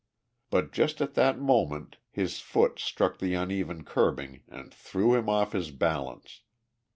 But just at that moment his foot struck the uneven curbing and threw him off his balance.